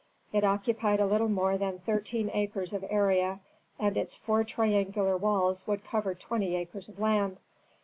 It occupied a little more than thirteen acres of area, and its four triangular walls would cover twenty acres of land.